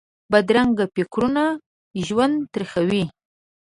بدرنګه فکرونه ژوند تریخوي